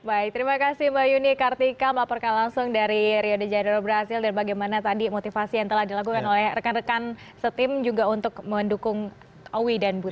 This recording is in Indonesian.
baik terima kasih mbak yuni kartika melaporkan langsung dari rio de janeiro brazil dan bagaimana tadi motivasi yang telah dilakukan oleh rekan rekan setim juga untuk mendukung owi dan bu